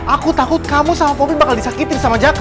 aku takut kamu sama polri bakal disakitin sama jaka